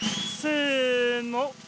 せの。